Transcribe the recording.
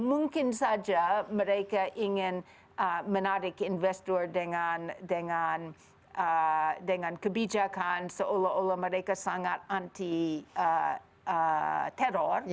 mungkin saja mereka ingin menarik investor dengan kebijakan seolah olah mereka sangat anti teror